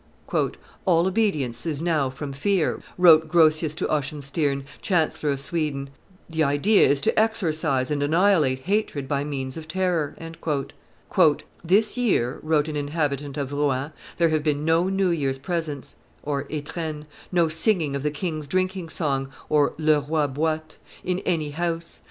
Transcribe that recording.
"All obedience is now from fear," wrote Grotius to Oxenstiern, chancellor of Sweden; "the idea is to exorcise and annihilate hatred by means of terror." "This year," wrote an inhabitant of Rouen, "there have been no New Year's presents [etrennes], no singing of 'the king's drinking song [le roi boit], in any house.